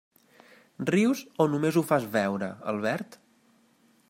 Rius o només ho fas veure, Albert?